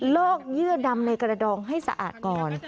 ลอกเยื่อดำในกระดองให้สะอาดก่อน